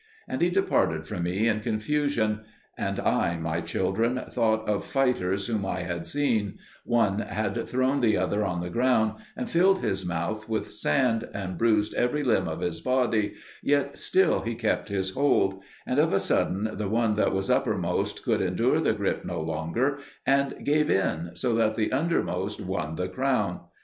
And he departed from me in confusion. And I, my children, thought of fighters whom I had seen: one had thrown the other on the ground and filled his mouth with sand, and bruised every limb of his body, yet still he kept his hold; and of a sudden the one that was uppermost could endure the grip no longer, and gave in, so that the undermost won the crown.